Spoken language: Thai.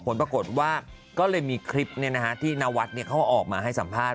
ผลปรากฏว่าก็เลยมีคลิปที่นวัดเขาออกมาให้สัมภาษณ